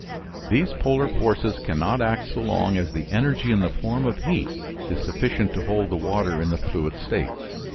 These polar forces cannot act so long as the energy in the form of heat is sufficient to hold the water in the fluid state.